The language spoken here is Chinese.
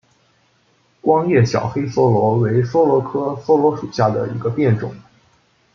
光叶小黑桫椤为桫椤科桫椤属下的一个变种。